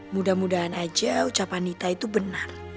mudah mudahan aja ucapan nita itu benar